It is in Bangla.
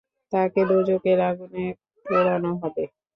তাকে দোযখের আগুনে পোড়ানো হবে।